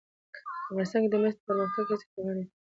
افغانستان کې د مس د پرمختګ هڅې روانې دي.